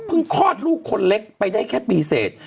เพิ่งคลอดลูกคนเล็กไปได้แค่ปีเศษ